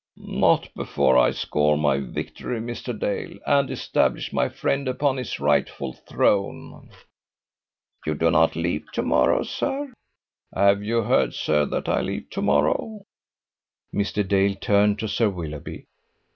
"Not before I score my victory, Mr. Dale, and establish my friend upon his rightful throne." "You do not leave to morrow, sir?" "Have you heard, sir, that I leave to morrow?" Mr. Dale turned to Sir Willoughby.